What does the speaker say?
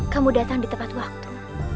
kamu datang di tepat waktu